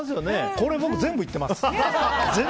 これ僕、全部言ってます。